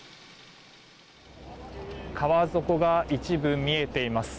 川底が一部見えています。